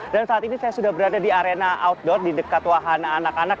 dan saat ini saya sudah berada di arena outdoor di dekat wahana anak anak